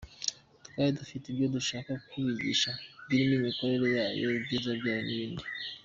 Twari dufite ibyo dushaka kubigisha birimo imikorere yayo, ibyiza byayo n’ibindi.